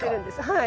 はい。